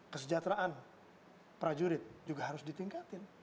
kesejahteraan prajurit juga harus ditingkatin